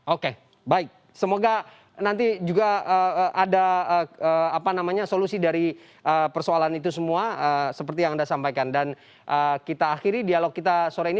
oke baik semoga nanti juga ada solusi dari persoalan itu semua seperti yang anda sampaikan dan kita akhiri dialog kita sore ini